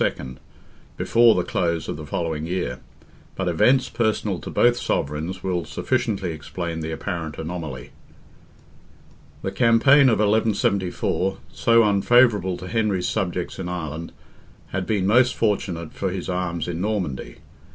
before the close of the following year: but events personal to both sovereigns will sufficiently explain the apparent anomaly. The campaign of 1174, so unfavourable to Henry's subjects in Ireland, had been most fortunate for his arms in Normandy.